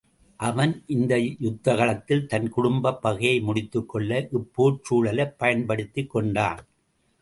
அவன் இந்த யுத்த களத்தில் தன்குடும்பப் பகையை முடித்துக் கொள்ள இப்போர்ச் சூழலைப் பயன்படுத்திக் கொண்டான்.